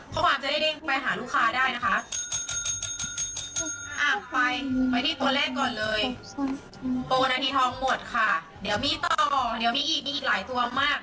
โปรนาทีทองหมดค่ะเดี๋ยวมีต่อเดี๋ยวมีอีกหลายตัวมาก